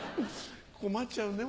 困っちゃうね